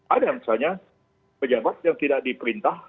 ada misalnya pejabat yang tidak diperintah